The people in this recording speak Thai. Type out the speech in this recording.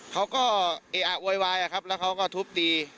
เขาก็เออะโวยวายครับแล้วเขาก็ทุบตี